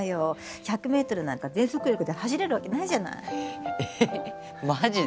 １００ｍなんか全速力で走れるわけなえぇマジで？